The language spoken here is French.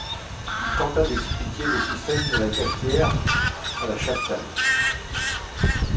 Il tenta d’expliquer le système de la cafetière à la Chaptal.